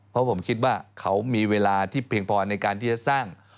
เพราะผมคิดว่าเขามีเวลาที่เพียงพอในการที่จะสร้าง